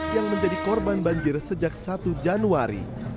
yang menjadi korban banjir sejak satu januari